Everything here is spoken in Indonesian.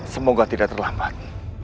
semoga tidak terlambat